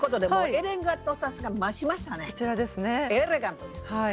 エレガントです。